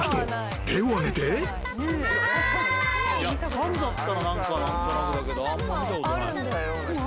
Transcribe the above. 猿だったら何となくだけどあんま見たことない。